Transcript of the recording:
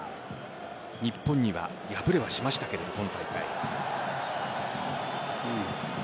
日本には敗れはしましたが今大会。